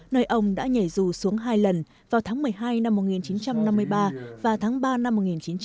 nơi ông đã nhảy dù xuống hai lần vào tháng một mươi hai năm một nghìn chín trăm năm mươi ba và tháng ba năm một nghìn chín trăm bảy mươi